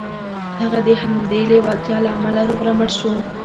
هغه د همدې لېوالتیا له امله روغ رمټ شو